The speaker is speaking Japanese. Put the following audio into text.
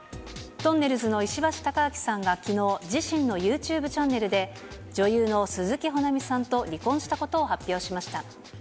とんねるずの石橋貴明さんがきのう、自身のユーチューブチャンネルで、女優の鈴木保奈美さんと離婚したことを発表しました。